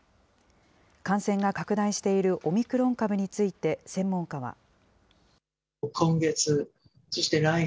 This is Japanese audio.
感染が拡大しているオミクロン株について専門家は。